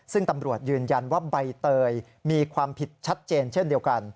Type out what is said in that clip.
ซึ่งตำรวจยืนยันว่าใบเตยมีความผิดชัดเจนเช่นเดียวกัน